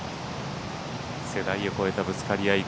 世代を超えたぶつかり合い